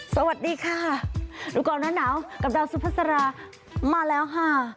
สวัสดีค่ะดูก่อนร้อนหนาวกับดาวสุภาษามาแล้วค่ะ